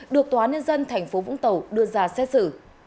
được tòa án nhân dân tp vũng tàu đưa ra xét xử